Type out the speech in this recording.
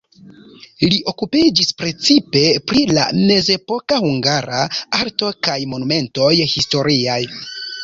Li okupiĝis precipe pri la mezepoka hungara arto kaj monumentoj historiaj.